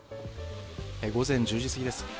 午前１０時過ぎです。